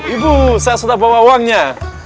ibu saya sudah bawa uangnya